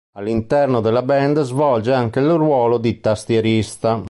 All'interno della band svolge anche il ruolo di tastierista.